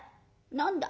「何だ？